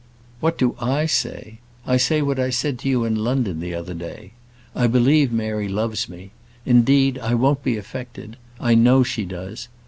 "What do I say? I say what I said to you in London the other day. I believe Mary loves me; indeed, I won't be affected I know she does.